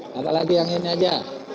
katakan lagi yang ini saja